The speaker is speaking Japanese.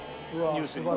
ニュースに。